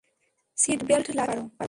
Seat belt লাগিয়ে নিতে পারো।